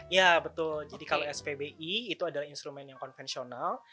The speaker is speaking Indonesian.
ya betul jadi kalau spbi itu adalah instrumen yang konvensional